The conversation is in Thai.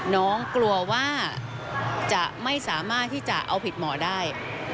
น้องกลัวว่าจะไม่สามารถที่จะเอาผิดหมอได้